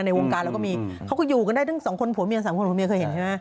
ในวงการเราก็มีเขาก็อยู่กันได้ทั้งสองคนผัวเมียสามคนผัวเมียเคยเห็นใช่ไหม